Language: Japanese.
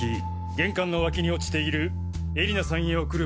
玄関の脇に落ちている絵里菜さんへ送る